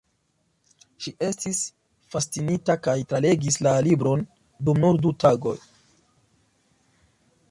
Ŝi estis fascinita kaj tralegis la libron dum nur du tagoj.